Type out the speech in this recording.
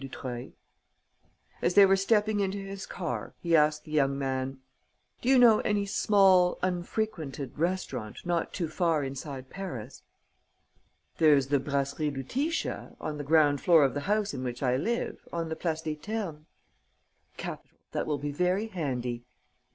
Dutreuil?" As they were stepping into his car, he asked the young man: "Do you know any small, unfrequented restaurant, not too far inside Paris?" "There's the Brasserie Lutetia, on the ground floor of the house in which I live, on the Place des Ternes." "Capital. That will be very handy."